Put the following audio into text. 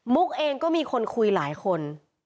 เองก็มีคนคุยหลายคน